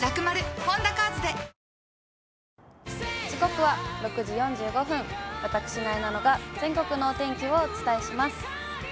時刻は６時４５分、私、なえなのが全国のお天気をお伝えします。